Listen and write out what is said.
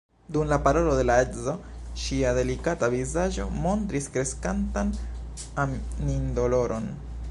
Dum la parolo de la edzo ŝia delikata vizaĝo montris kreskantan animdoloron.